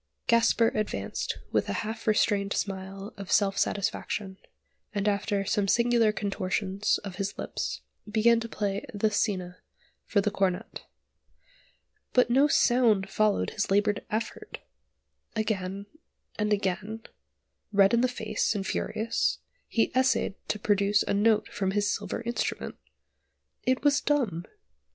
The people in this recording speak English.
Gasper advanced with a half restrained smile of self satisfaction, and after some singular contortions of his lips began to play the scena for the cornet. But no sound followed his laboured effort! Again, and again, red in the face, and furious, he essayed to produce a note from his silver instrument. It was dumb!